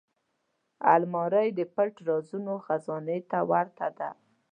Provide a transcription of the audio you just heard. الماري د پټ رازونو خزانې ته ورته ده